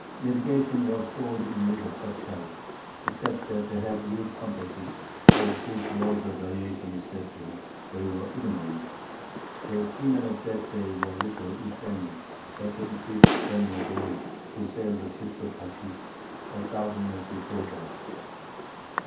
Navigation was sorely in need of such help. Except that they had rude compasses, of whose laws of variation, etc., they were ignorant, the seamen of that day were little, if any, better equipped than were those who sailed the "ships of Tarshish" a thousand years before that.